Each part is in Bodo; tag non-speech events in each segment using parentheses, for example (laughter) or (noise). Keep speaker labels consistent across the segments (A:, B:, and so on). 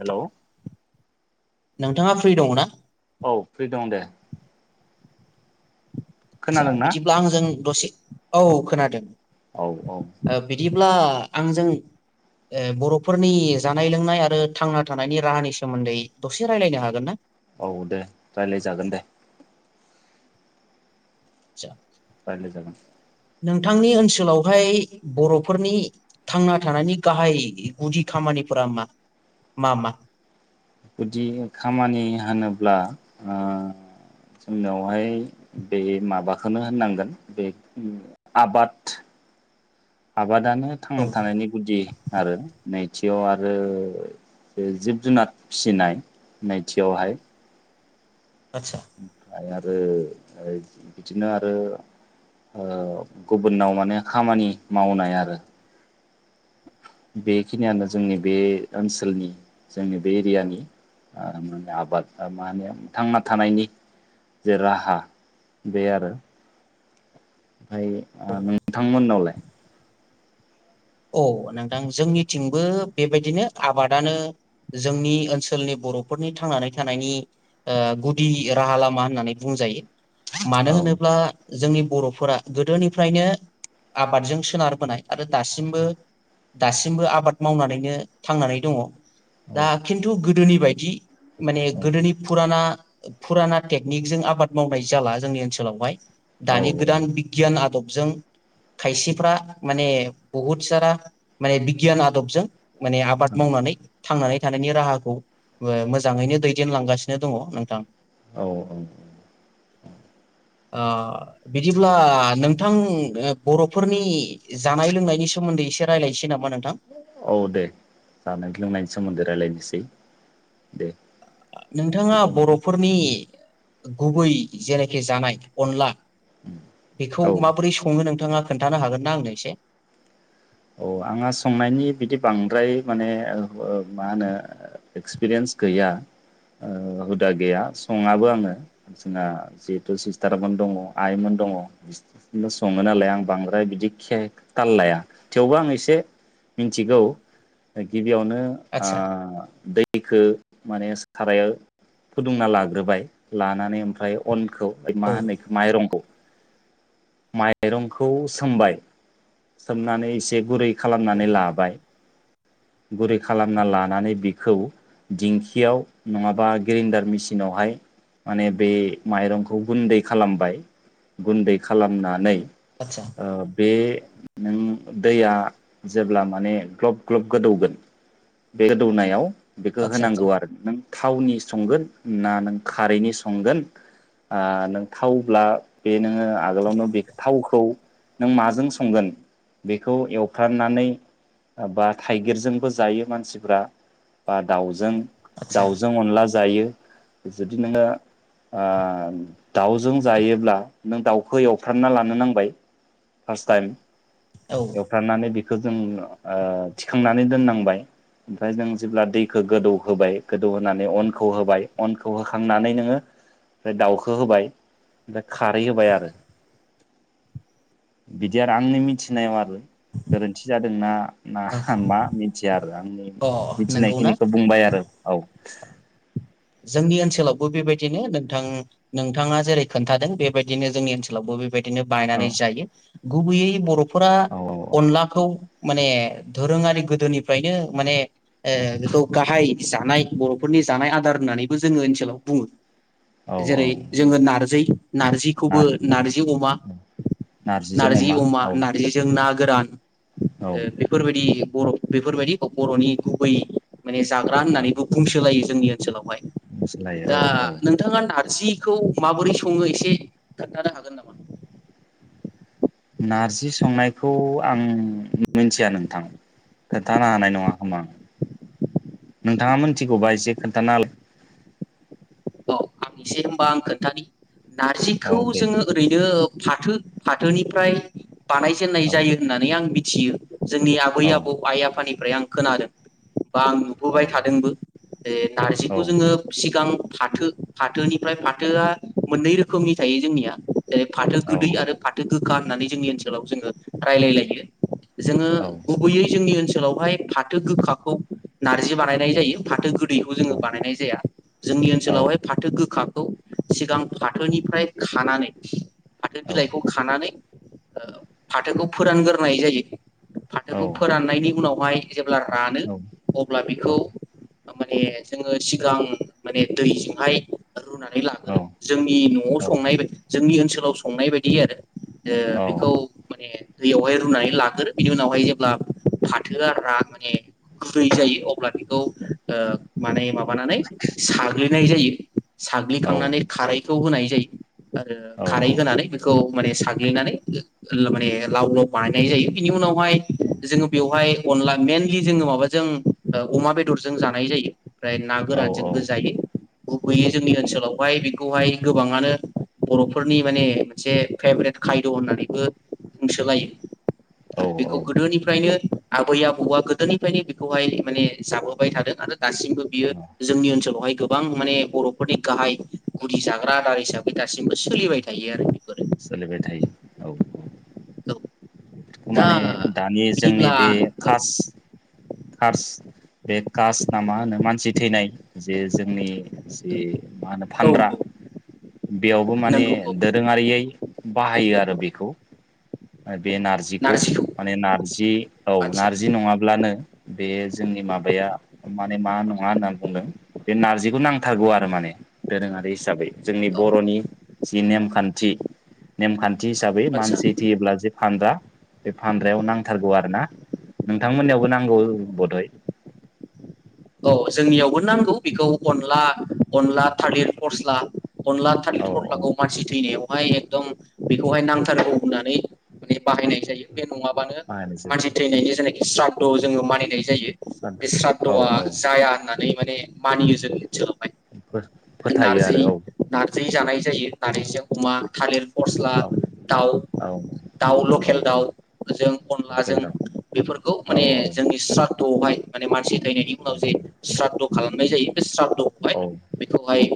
A: हेल
B: नोंथाङा फ्रि दङ ना
A: औ फ्रि दं दे
B: आटसा
A: खोनादोंना
B: बिदिब्ला आंजों दसे औ खोनादों
A: औ औ
B: अब्ला आंजों ओ बरफोरनि जानाय लोंनाय आरो थांना थानायनि राहानि सोमोन्दै दसे राय्लायनो हागोन ना
A: औ दे रायलाय जागोन दे
B: आतसा
A: रायलाय जागोन
B: नोंथांनि ओनसोलावहाय बरफोरनि थांना थानायनि गाहाय गुदि खामानिफोरा मा मा मा
A: गुदि खामानि होनोब्ला आ जोंनावहाय बे माबाखौनो होननांगोन बे आबाद आबादानो
B: औ
A: थांना थानायनि गुदि आरो नै थियाव आरो जिब जुनार फिसिनाय नैथियावहाय
B: आतसा
A: ओमफ्राय आरो बिदिनो आरो ओ गुबुनाव माने खामानि मावनाय आरो बेखिनियानो जोंनि बे ओनसोलनि जोंनि बे एरियानि ओम म आबाद मा होनो थांना थानायनि जे राहा बे आरो ओमफ्राय ओ नोंथांमोननावलाय
B: औ नोंथां जोंनिथिंबो बेबायदिनो आबादानो जोंनि ओनसोलनि बरफोरनि थांनानै थानायनि ओ गुदि राहा लामा होननानै बुंजायो मानो
A: औ
B: होनोब्ला जोंनि बरफोरा गोदोनिफ्रायनो आबादजों सोनारबोनाय आरो दासिम दासिमबो आबाद मावनानैनो थांनानै दङ
A: औ
B: दा खिन्थु गोदोनि बायदि माने गोदोनि फुराना फुराना टेकनिक जों आबाद मावनाय जाला जोंनि ओनसोलावहाय
A: औ
B: दानि गोदान बिगियान आदब जों खायसेफ्रा माने बहुत सारा माने बिगियान आदबजों माने आबाद मावनानै थांनानै थानायनि राहाखौ ओ मोजाङैनो दैदेनलांगासिनो दङ नोंथां
A: औ औ
B: ओ बिदि अब्ला नोंथां बरफोरनि जानाय लोंनाय नि सोमोन्दै एसे रायलायनोसै नामा
A: औ दे जानाय लोंनायनि सोमोन्दै रायलायनोसै दे
B: नोंथाङा बरफोरनि गुबै जेरैखि जानाय अनला बेखौ
A: औ
B: माबोरै सङो नोंथाङा खोनथानो हागोन ना आंनो एसे
A: औ आंहा संनायनि बिदि बांद्राय माने ओ मा होनो एक्सपिरियेन्स गैया ओ हुदा गैया सङाबो आङो जोंना जिहेथु सिस्टारमोन दङ आइमोन दङ बि सङो नालाय आं बांद्राय बिदि खे ताल लाया थेवबो आं एसे मिनथिगौ गिब गिबियावनो
B: आदसा
A: आ दैखो माने सारायाव फुदुंना लाग्रोबाय लानानै ओमफ्राय अन खौ
B: औ
A: मा होननो इखौ माइरंखौ माइरंखौ सोमबाय सोमनानै एसे गुरै खालामनानै लाबाय गुरै खालामना लानानै बिखौ दिंखियाव नङाबा ग्रिन्दार मेचिनावहाय माने बे माइरंखौ गुन्दै खालामबाय गुन्दै खालामनानै
B: आदसा
A: ओ बे नों दैया जेब्ला माने ग्लब ग्लब गोदौगोन बे गोदौनायाव बेखौ
B: आदसा
A: होनांगौ आरो नों थावनि संगोन ना नों खारैनि संगोन ओ नों थावब्ला बे नोङो आगोलावनो बे थावखौ नों माजों संगोन बेखौ एवफ्राननानै बा थाइगिरजोंबो जायो मानसिफ्रा बा दाउजों
B: आदसा आदसा
A: दाउजों अनला जायो जुदि नोङो ओ दउजों जायो ब्ला नों दाउ खौ एवफ्रामना लानो नांबाय फार्स्ट टाइम
B: औ
A: एवफ्राननानै बे बेखो जों ओ थिखांनानै दोननांबाय ओमफ्राय जों जेब्ला दैखौ गोदौ होबाय गोदौ होनानै अनखौ होबाय अनखौ होखांनानै नोङो ओमफ्राय दाउखौ होबाय ओमफ्राय खारै होबाय आरो बिदि आरो आंनि मिथिनायाव आरो गोरोनथि जादोंना ना मा मिथिया आरो आंनि
B: अ नंगौना
A: मिथिनायखिनिखौ बुंबाय आरो औ (inaudible)
B: जोंनि ओनसोलावबो बेबायदिनो नोंथां नोंथाङा जेरै खोनथादों बेबायदिनो जोंनि ओनसोलावबो बेबायदि दिनो बायनानानै जायो गुबैयै बर फोरा
A: औ औ औ
B: अनलाखौ माने दोरोङारि गोदोनिफ्रायनो माने ए बेखौ गाहाय जानाय बरफोरनि जानाय आदार होननानैबो जोङो ओनसोलाव बुङो
A: औ औ
B: जेरै जोङो नारजै नारजिखौबो नारजि अमा
A: नारजिजों
B: नारजि अमा
A: औ
B: नारजिजों ना गोदान ओ बेफोरबायदि बर बेफोरबायदि बरनि गुबै माने जाग्रा
A: औ
B: होननानैबो बुंसोलायो जोंनि ओनसोलावहाय
A: मिथिलायो औ
B: दा
A: औ
B: नोंथाङा नारजि जिखौ माबोरै सङो एसे खोन्थानो हागोन नामा
A: नारजि संनायखौ आं मिथिया नोंथां खोन्थानो हानाय नङा खोमा आं नोंथाङा मिथिगौबा एसे खोन्थानोलाय
B: औ आं एसे होनबा आं खोनथानि
A: औ
B: नारजिखौ
A: दे
B: जोङो ओरैनो फाथो फाथोनिफ्राय बानायजेननाय
A: औ
B: जायो होननानै आं बि जिउ जोंनि आबै
A: औ
B: आबौ आइ आफानि ओमफ्राय आं खोनादों बा आं
A: औ
B: नुबोबाय थादोंबो जे
A: औ
B: नारजिखौ जोङो सिगां फाथो फाथोनिफ्राय फाथोआ मोननै रोखोमनि थायो जोंनिया जेरै फाथो
A: औ
B: गोदै आरो फाथो गोखा होननानै जोंनि ओनसोलाव जोङो रायलायलायो जोङो
A: औ
B: गुबैयै जोंनि ओनसोल ओनसोलावहाय फाथो गोखाखौ नार्जि बानायनाय जायो फाथो गोदैखौ जोङो
A: औ
B: बानायनाय जाया जोंनि ओनोलावहाय फाथो गो खाखौ सिगां फाथोनिफ्राय खानानै (inaudible) फाथो बिलाइखौ खानानै ओ फाथोखौ फोरानग्रोनाय जायो।
A: औ
B: फाथोखौ फोराननायनि उनाव (unintelligible) अब्ला रानो अब्ला बेखौ माने जोङो सिगां माने दैजोंहाय रुनानै लाग्रो जोंनि नआव संनाय बायदि जोंनि ओनसोलाव संनाय बायदि आरो ओ बेखौ माने दैयावहाय रुनानै लाग्रो बिनि उनावहाय जेब्ला फाथोआ रा माने गुरै जायो अब्ला बेखौ माने माब ना नै नाय जायो। साग्लिखांनानै खारैखौ होनाय जै (unintelligible) आरो खारै होनानै बेखौ माने साग्लिनानै माने लाव लाव बानायनाय जायो बिनि उनाव हाय जोङो बेवहाय अनला मेनलि जोङो माबाजों ओ अमा बेदरजों जानाय जायो फ्राय ना गोरान जों होजायो गुबैयै जोंनि ओनसोलाव हाय बेखौहाय गोबाङानो बरफोरनि माने मोनसे फेभरेट खायद होननानैबो बुंसोलायो
A: औ
B: आरो बेखौ गोदोनिफ्रायनो आबै आबौआ गोदोनिफ्रायनो बेखौहाय माने जाबोबाय थादों आरो दासिमबो बियो जोंनि ओनसो हाय गोबां माने बरफोरनि गाहाय गुदि जाग्रा आदार हिसाबै दा सिमबो सोलिबाय थायो आरो बेफोरो
A: सोलिबाय थायो औ
B: औ दा
A: माने दानि जोंनि
B: बिदिब्ला
A: बे
B: औ
A: खास (unintelligible) बे कास्ट ना मा होनो मानसि थैनाय जे जोंनि जि मा होनो
B: औ
A: फानद्रा बेयावबो माने
B: नंगौ औ
A: दोरोङारियै बाहायो आरो बेखौ आ (unintelligible) बे नारजिखौ माने नारजि औ
B: आदसा
A: नारजि नङाब्लानो बे जोंनि माबाया माने मा नङा होनना बुंदों बे नारजिखौ नांथारगौ आरो माने दोरोङारि हिसाबै जोंनि
B: औ
A: बरनि जि नेमखान्थि नेमखान्थि थि हिसाबै
B: आदसा
A: मानसि जे फानद्रा बे फानद्रायाव नांथारगौ आरो ना नोंथांमोननियावबो नांगौ बदय
B: औ जोंनियावबो नांगौ बेखौ अनला अनला थालिर फ (unintelligible) अनला
A: औ
B: थालिर फस्लाखौ मानसि थैनायाव एकदम बेखौहाय नांथारगौ होननानै मान बाहायनाय जायो बे नङ माने
A: बाहायनोसै
B: मानसि थैनायनि (unintelligible) स्राद जोङो मानिनाय जायो
A: सारदा
B: बे
A: औ
B: स्रादधआ
A: औ
B: जाया होननानै माने मानियो जोंनि ओनसोलाव (unintelligible)
A: फोथायो
B: नारजि
A: आरो औ
B: नारजि जानाय जायो नारजिजों अमा थालिर फस्ला
A: औ
B: दाउ
A: औ
B: दाउ
A: औ
B: लकेल दाउजों
A: लकेल
B: अनलाजों
A: दाउ
B: बेफोरखौ
A: औ
B: माने जोंनि स्राद (unintelligible) (unintelligible) जि
A: औ
B: स्राद खालामनाय जायो बेस्रा
A: औ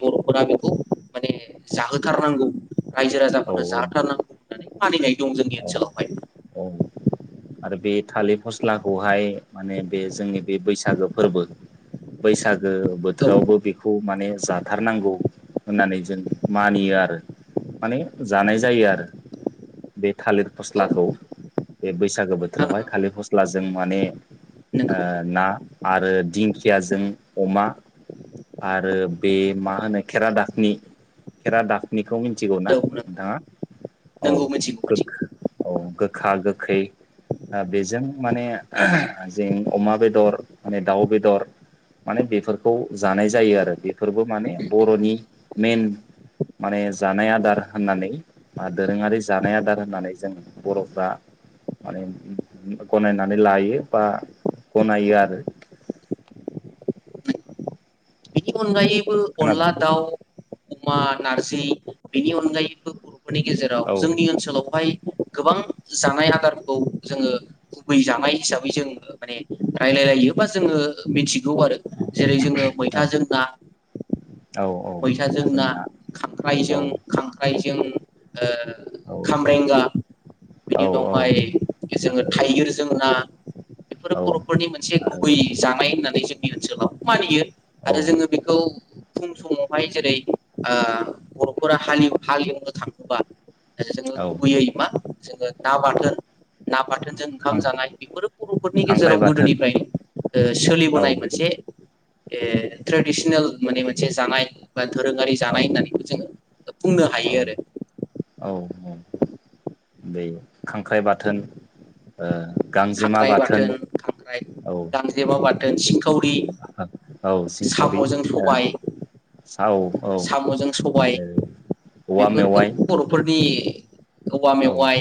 B: बरफोरा बेखौ माने जाहोथारनांगौ रायजो
A: औ
B: राजाफोरनो जाहोथारनांगौ होननानै मानि नाय
A: औ औ आरो बे थाालिर फस्लाखौहाय माने बे जोंनि बे बैसागो फोरबो बैसागो गो बोथोरावबो बेखौ माने जाथारनांगौ होननानै जों मानियो आरो माने जानाय जायो आरो बे थालिर
B: औ
A: फस्लाखौ बे बैसागो बोथोरावहाय थालिर फस्ला अब्ला जों माने
B: नंगौ
A: आ ना आरो दिंखियाजों अमा आरो बे मा होनो खेरा दाफनि खेरा दाफनिखौ मिथिगौ ना
B: नंगौ
A: नोंथाङा औ
B: औ मिथिगौ
A: गोख
B: मिथिगौ
A: औ गोखा गोखै बेजों माने जों अमा बेदर माने दाउ बेदर माने बेफोरखौ जानाय जायो आरो बेफोरबो माने बरनि मेइन माने जानाय आदार होननानै दोरोङारि जानाय आदार होननानै जों बरफोरा माने गनायनानै लायो बा गनायो आरो
B: (unintelligible) बो अनला
A: खोनादोंना
B: दाउ अमा नारजि बेनि अनगायैबो बर फोरनि गेजेराव
A: औ
B: जोंनि ओनसोलावहाय गोबां जानाय आदारखौ जोङो गुबै जानाय हिसाबै जों माने रायलायलायो बा जोङो मिथि गौ आरो जेरै जोङो
A: औ
B: मैथाजों (unintelligible)
A: औ औ
B: मैथाजों
A: मैथाजों
B: ना
A: औ
B: खांख्राइजों खांख्राइ जों ओ
A: औ
B: खामरेंगा
A: औ
B: बेनि उनावहाय जोङो
A: आरो
B: थाइगिरजों ना बेफोरो
A: औ
B: बरफोरनि मोनसे
A: आरो
B: गुबै जानाय होननानै जों (unintelligible) मानियो
A: औ
B: आरो जोंङो बेखौ फुं समावहाय जेरै ओ बरफोरा हालेव हाल एवनो थाङोबा जोंङो
A: औ
B: गुबैयै मा जोङो ना बाथोन ना बाथोनजों ओंखाम जानाय बेफोरो बरफोरनि
A: खांख्राइ
B: गेजेराव
A: बाथोन
B: गोदोनिफ्राय ओ
A: औ
B: सोलिबोनाय मोनसे ए ट्रेडिसनेल माने मोनसे जानाय बा धोरोङारि
A: औ
B: जानाय होननानैबो जोङो बुंनो
A: औ
B: हायो आरो
A: औ बे खांख्राइ बाथोन ओ
B: खांख्राइ बाथोन खांख्राइ
A: औ
B: गांजेमा बाथोन (unintelligible) गौरि
A: औ सिंखावरि
B: सामजों
A: ओ
B: सबाय
A: औ औ
B: सामजों सबाय
A: आरो औवा
B: बेफोरखौ
A: मेवाइ
B: बरफोरनि (inaudible) औवा मेववाइ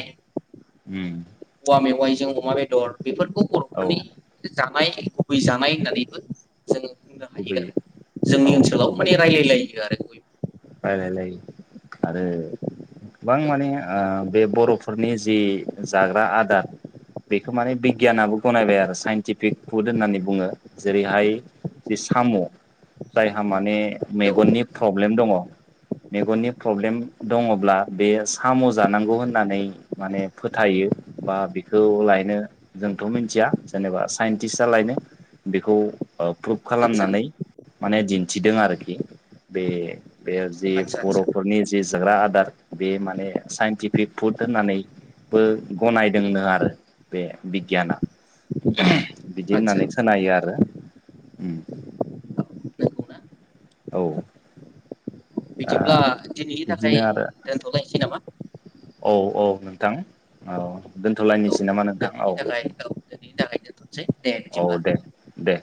A: ओम
B: औवा मेवाइजों अमा बेदर बेफोरखौ
A: औ
B: बरफोरनि जानाय गुबै जानाय होननानैबो जोङो बुंनो हायो
A: गुबै
B: आरो
A: औ
B: जोंनि ओनसोलाव माने रायजलायलायो आरो बयबो
A: बायलायलाय आरो गोबां
B: बयबो
A: माने ओ बे बरफोरनि जि जाग्रा आदार बेखौ माने बिगियानाबो गनायबाय आरो साइन्टिफिक फुद होननानै बुङो जेरैहाय जि साम जायहा माने
B: औ औ
A: मेगननि प्रब्लेम दङ मेगननि प्रब्लेम दङब्ला बे साम जानांगौ होननानै माने फोथायो बा बेखौ लायनो जोंथ मिथिया जेनेबा साइन्टिस्टआ लायनो बेखौ ओ प्रुभ
B: आदसा
A: खालामनानै माने दिन्थिदों आरोखि बे बे जि
B: आदसा आदसा
A: बरफोरनि जि जाग्रा आदार बे माने साइनटिफिक फुद होननानैबो गनायदोंनो आरो बे बिगियाना बिदि
B: आदसा
A: होननानै
B: आदसा
A: खोनायो आरो ओम
B: औ नंगौना
A: औ दा
B: बिदिब्ला दिनैनि
A: बिदिनो
B: थाखाय
A: आरो
B: दोनथलायसै नामा
A: औ औ नोंथां ओ दोनथलायनायनिसै
B: दोनैनि थाखाय औ दोनैनि थाखानो थसे
A: औ दे दे